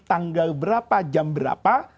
tanggal berapa jam berapa